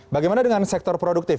bagaimana dengan sektor produktif